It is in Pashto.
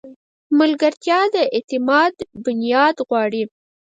ملګرتیا د اعتماد بنیاد غواړي.